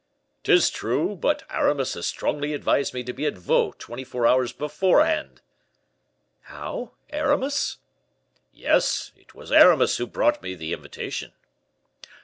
"'Tis true; but Aramis has strongly advised me to be at Vaux twenty four hours beforehand." "How, Aramis?" "Yes, it was Aramis who brought me the invitation."